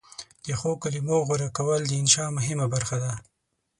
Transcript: د ښو کلمو غوره کول د انشأ مهمه برخه ده.